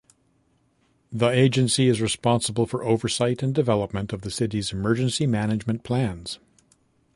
The agency is responsible for oversight and development of the City's emergency management plans.